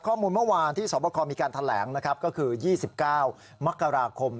ข้อมูลเมื่อวานที่สวบคอมีการแถลงนะครับก็คือ๒๙มกราคม